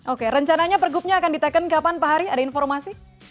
oke rencananya pergubnya akan diteken kapan pak hari ada informasi